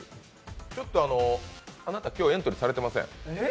あなた今日エントリーされてません。